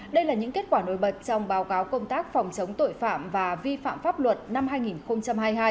đây là những kết quả nổi bật trong báo cáo công tác phòng chống tội phạm và vi phạm pháp luật năm hai nghìn hai mươi hai